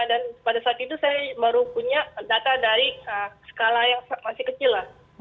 dan pada saat itu saya baru punya data dari skala yang masih kecil lah